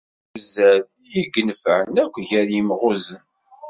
D uzzal i inefεen akk gar yemɣuzen.